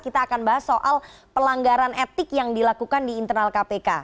kita akan bahas soal pelanggaran etik yang dilakukan di internal kpk